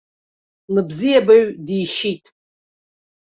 Лыбзиабаҩ дишьит.